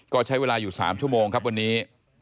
ก็ใช้เวลาอยู่๓ชั่วโมงครับวันนี้